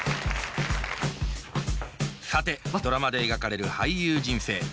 さてドラマで描かれる俳優人生。